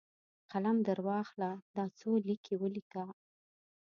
قلم درواخله ، دا څو لیکي ولیکه!